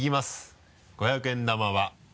５００円玉は。